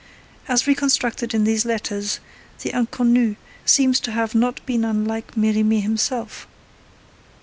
As reconstructed in these letters, the Inconnue seems to have been not unlike Merimee himself.